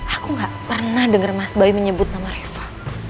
aku gak pernah dengar mas bayu menyebut nama reva